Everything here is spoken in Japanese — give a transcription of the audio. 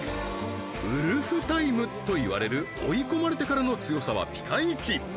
ウルフタイムと言われる追い込まれてからの強さはピカイチ！